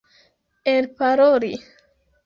elparoli